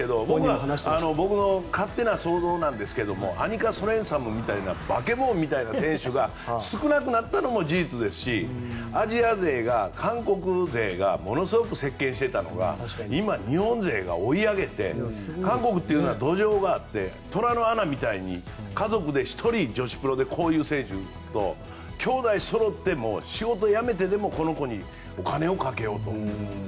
僕の勝手な想像ですがアニカ・ソレンスタムみたいな化け物みたいな選手が少なくなったのも事実ですしアジア勢が韓国勢がものすごく席巻していたのが今、日本勢が追い上げて韓国は土壌があって虎の穴みたいに家族で１人、女子プロでこういう選手ときょうだいそろって仕事を辞めてでもこの子にお金をかけようと。